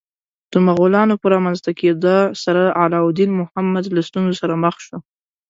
د مغولانو په رامنځته کېدا سره علاوالدین محمد له ستونزو سره مخ شو.